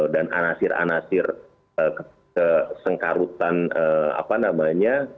dan anasir anasir kesengkarutan apa namanya